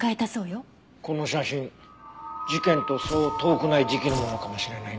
この写真事件とそう遠くない時期のものかもしれないね。